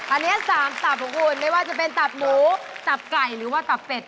อันนี้๓ตับของคุณไม่ว่าจะเป็นตับหมูตับไก่หรือว่าตับเป็ด